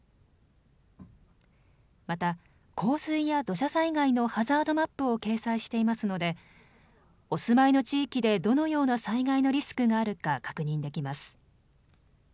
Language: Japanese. また、洪水や土砂災害のハザードマップを掲載していますのでお住まいの地域でどのような災害のリスクがあるか確認できます。